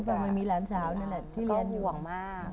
ก็ห่วงมาก